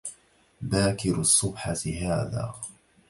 باكر الصبحة هذا